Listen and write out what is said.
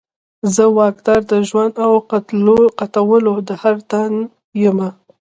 زه واکدار د ژوند او قتلولو د هر تن یمه